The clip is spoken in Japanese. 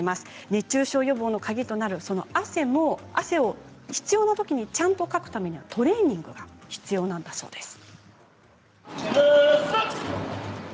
熱中症予防の鍵となる汗も汗を必要なときにちゃんとかくためにはトレーニングが必要なんだそうです。